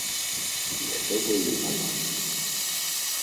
І хто быў вінаваты?